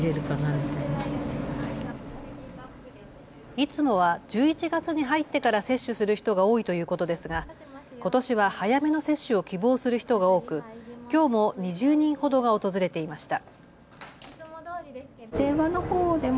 いつもは１１月に入ってから接種する人が多いということですがことしは早めの接種を希望する人が多く、きょうも２０人ほどが訪れていました。